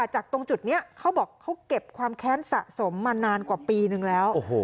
จากตรงจุดนี้เขาบอกเขาเก็บความแค้นสะสมมานานกว่าปีนึงแล้ว